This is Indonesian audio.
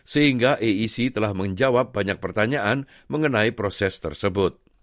sehingga aisi telah menjawab banyak pertanyaan mengenai proses tersebut